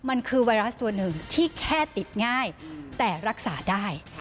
มันคือไวรัสตัวหนึ่งที่แค่ติดง่ายแต่รักษาได้